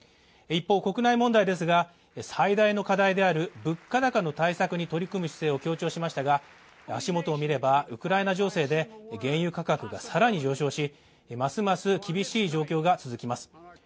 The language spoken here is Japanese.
一方、国内問題ですが、最大の課題である物価高の対策の取り組む姿勢を強調しましたが足元をみればウクライナ情勢で原油価格が更に上昇しますます、厳しい状況が続きます。